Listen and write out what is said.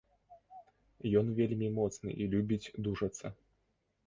Ён вельмі моцны і любіць дужацца.